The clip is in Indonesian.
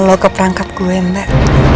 kalau ke perangkat gue mbak